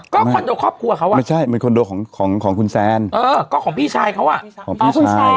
ก็คอนโดครอบครัวเขาอะไม่ใช่มันคอนโดของคุณแซนก็ของพี่ชายเขาอะของพี่ชาย